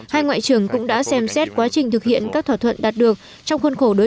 hai ngoại trưởng cũng đã xem xét quá trình thực hiện các thỏa thuận đạt được trong khuôn khổ đối